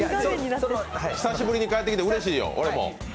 久しぶりに帰ってきてうれしいよ、俺も。